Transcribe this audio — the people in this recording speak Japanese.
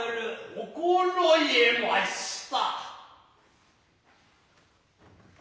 心得ました。